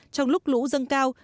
trong lúc lũ dâng cao